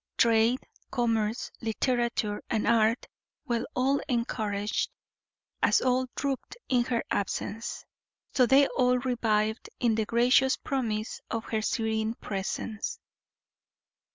Trade, commerce, literature, and art were all encouraged; as all drooped in her absence, so they all revived in the gracious promise of her serene presence.